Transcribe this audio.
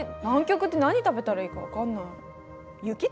南極って何食べたらいいか分かんない。